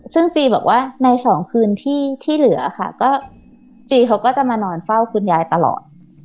ซึ่งจีบอกว่าในสองคืนที่เหลือค่ะก็จีเขาก็จะมานอนเฝ้าคุณยายตลอด